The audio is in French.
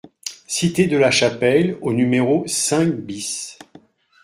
CITE DE LA CHAPELLE au numéro cinq BIS